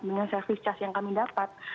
dengan service charge yang kami dapat